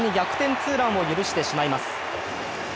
ツーランを許してしまいます。